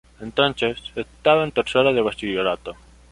Entonces estaba en tercero de bachillerato.